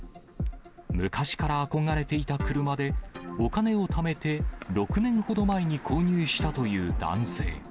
昔から憧れていた車で、お金をためて６年ほど前に購入したという男性。